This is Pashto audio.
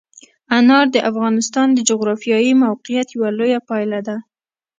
انار د افغانستان د جغرافیایي موقیعت یوه لویه پایله ده.